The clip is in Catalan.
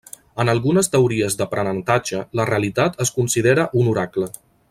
En algunes teories d'aprenentatge, la realitat es considera un oracle.